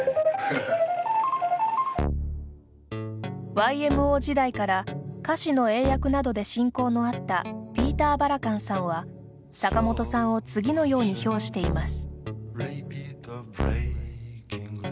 ＹＭＯ時代から歌詞の英訳などで親交のあったピーター・バラカンさんは坂本さんを次のように評しています。